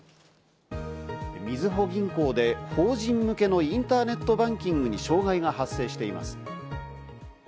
みずほ銀行で法人向けのインターネットバンキングに障害が発生しています。